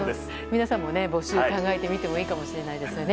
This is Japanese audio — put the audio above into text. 皆さんも募集考えてみてもいいかもしれないですよね。